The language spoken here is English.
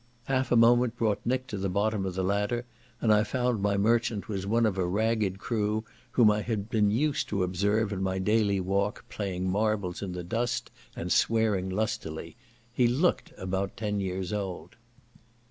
Half a moment brought Nick to the bottom of the ladder, and I found my merchant was one of a ragged crew, whom I had been used to observe in my daily walk, playing marbles in the dust, and swearing lustily; he looked about ten years old.